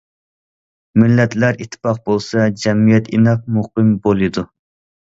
مىللەتلەر ئىتتىپاق بولسا جەمئىيەت ئىناق، مۇقىم بولىدۇ.